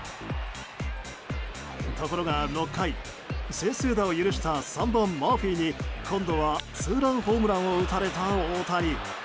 ところが６回、先制打を許した３番、マーフィーに今度はツーランホームランを打たれた大谷。